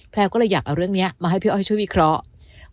ก็เลยอยากเอาเรื่องนี้มาให้พี่อ้อยช่วยวิเคราะห์